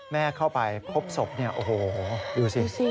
แม่เข้าไปพบศพโอ้โหดูสิ